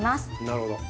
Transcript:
なるほど。